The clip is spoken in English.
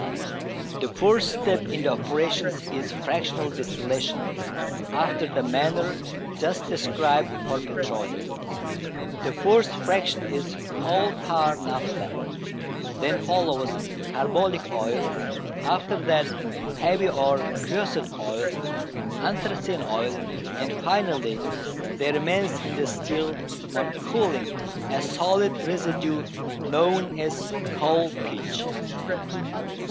The first step in the operations is fractional distillation, after the manner just described for petroleum. The first "fraction" is "coal tar naphtha." Then follows "carbolic oil," after that "heavy" or "creosote oil," anthracene oil, and finally there remains in the still on cooling a solid residue known as coal pitch.